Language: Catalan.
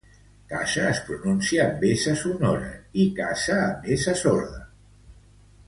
Casa es pronuncia amb s sonora i caça amb s sorda